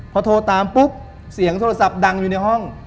พอโทรตามปุ๊บเสียงโทรศัพท์ดังอยู่ในห้อง